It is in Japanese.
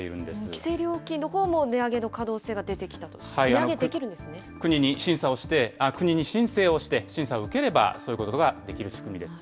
規制料金のほうも、値上げの可能性が出てきていると、値上げ国に申請をして、審査を受ければそういうことができる仕組みです。